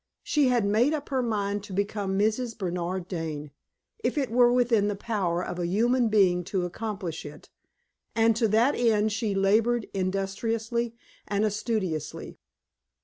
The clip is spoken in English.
She had made up her mind to become Mrs. Bernard Dane, if it were within the power of a human being to accomplish it, and to that end she labored industriously and assiduously.